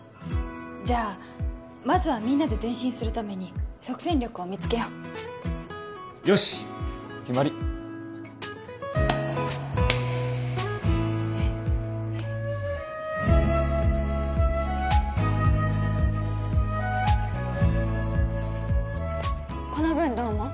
じゃあまずはみんなで前進するために即戦力を見つけようよし決まりこの文どう思う？